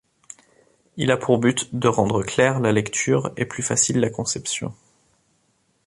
Il a pour but de rendre claire la lecture et plus facile la conception.